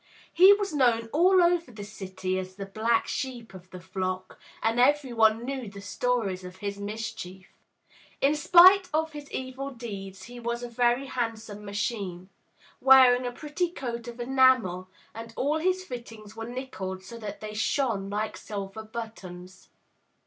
He was known all over the city as the black sheep of the flock, and every one knew the stories of his mischief. In spite of his evil deeds he was a very handsome machine, wearing a pretty coat of enamel, and all his fittings were nickeled, so that they shone like silver buttons.